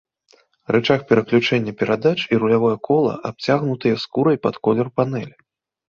Рычаг пераключэння перадач і рулявое кола абцягнутыя скурай пад колер панэлі.